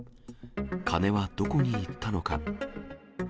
金はどこにいったのか。